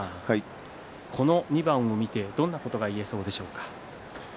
この２番を見てどんなことが言えそうでしょうか。